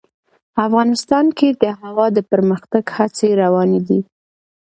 افغانستان کې د هوا د پرمختګ هڅې روانې دي.